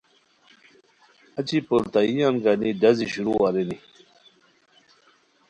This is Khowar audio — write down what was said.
اچی پولتائیان گانی ڈازی شروع ارینی